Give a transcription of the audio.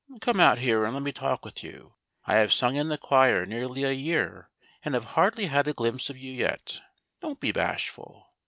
" Come out here, and let me talk with you. I have sung in the choir nearly a year, and have hardly had a glimpse of you yet. Don't be bashful